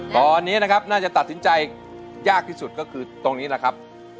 ตอนนี้นะครับน่าจะตัดสินใจยากที่สุดก็คือตรงนี้แหละครับ